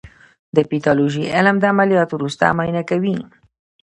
د پیتالوژي علم د عملیاتو وروسته معاینه کوي.